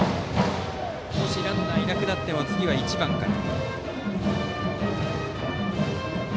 ランナーがいなくなっても次は１番から。